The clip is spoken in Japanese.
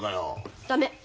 駄目。